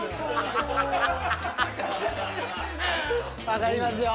分かりますよ。